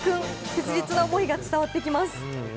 切実な思いが伝わってきます。